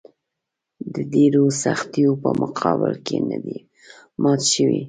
د ډېرو سختیو په مقابل کې نه دي مات شوي.